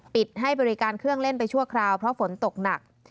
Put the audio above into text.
ปิดให้บริการเครื่องเล่นไปชั่วคราวเพราะฝนตกหนัก